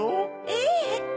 ええ！